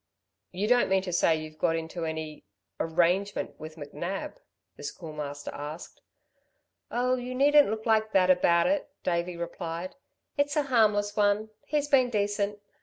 "You don't mean to say you've got into any arrangement with McNab?" the Schoolmaster asked. "Oh, you needn't look like that about it," Davey replied. "It's a harmless one. He's been decent.